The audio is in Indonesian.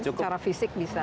secara fisik bisa